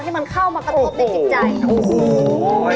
ให้มันเข้ามาประทบในจิตใจ